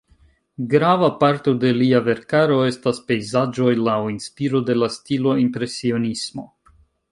Grava parto de lia verkaro estas pejzaĝoj laŭ inspiro de la stilo impresionismo.